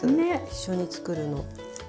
一緒に作るの。